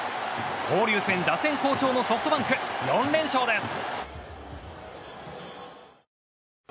交流戦、打線好調のソフトバンク４連勝です。